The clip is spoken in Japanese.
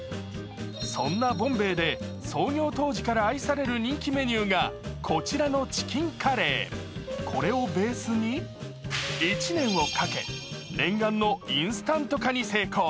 そんなボンベイで創業当時から愛される人気メニューがこちらのチキンカレー、これをベースに、１年をかけ、念願のインスタント化に成功。